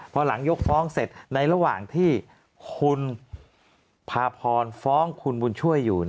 พอหลังยกฟ้องเสร็จในระหว่างที่คุณภาพรฟ้องคุณบุญช่วยอยู่